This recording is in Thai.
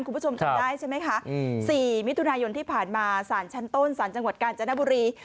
คุณผู้ชมจำได้ใช่ไหมคะ๔มิถุนายนที่ผ่านมาสารชั้นต้นสารจังหวัดกาญจนบุรี